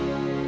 dapat juga kok